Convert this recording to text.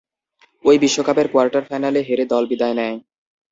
ঐ বিশ্বকাপের কোয়ার্টার ফাইনালে হেরে দল বিদায় নেয়।